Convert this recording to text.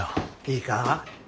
いいか？